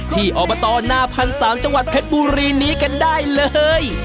อบตนาพันธ์๓จังหวัดเพชรบุรีนี้กันได้เลย